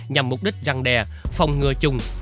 nhằm mục đích răng đè phòng ngừa chung